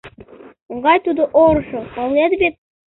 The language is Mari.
Могай тудо орышо, палет вет.